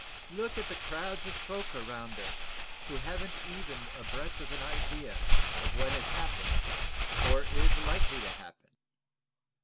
Look at the crowds of folks around us who haven't even a breath of an idea of what has happened, or is, likely to happen.